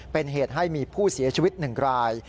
เป็นเหตุให้มีผู้เสียชีวิต๑ราย